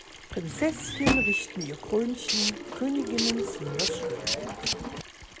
Prinzesschen richten ihr Krönchen, Königinnen ziehen das Schwert!